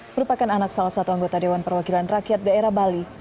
merupakan anak salah satu anggota dewan perwakilan rakyat daerah bali